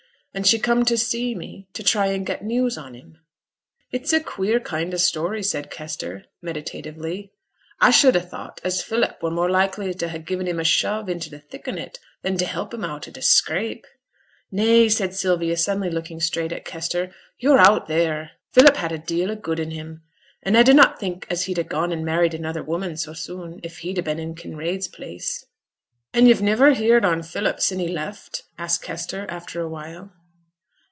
And she come to see me, to try and get news on him. 'It's a queer kind o' story,' said Kester, meditatively. 'A should ha' thought as Philip were more likely to ha' gi'en him a shove into t' thick on it, than t' help him out o' t' scrape.' 'Nay!' said Sylvia, suddenly looking straight at Kester; 'yo're out theere. Philip had a deal o' good in him. And I dunnot think as he'd ha' gone and married another woman so soon, if he'd been i' Kinraid's place.' 'An' yo've niver heared on Philip sin' he left?' asked Kester, after a while.